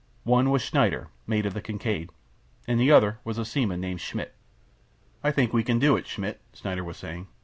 One was Schneider, mate of the Kincaid, and the other was a seaman named Schmidt. "I think we can do it, Schmidt," Schneider was saying.